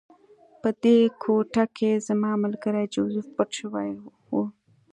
په دې کوټه کې زما ملګری جوزف پټ شوی و